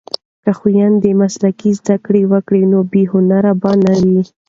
که خویندې مسلکي زده کړې وکړي نو بې هنره به نه وي.